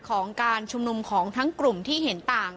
ของการชุมนุมของทั้งกลุ่มที่เห็นต่าง